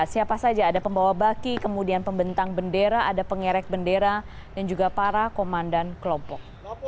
siapa saja ada pembawa baki kemudian pembentang bendera ada pengerek bendera dan juga para komandan kelompok